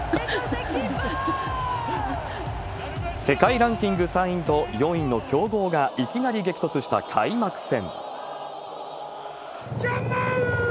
世界ランキング３位と、４位の強豪がいきなり激突した開幕戦。